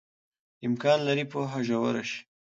امکان لري پوهه ژوره شي.